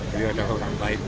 beliau adalah orang baik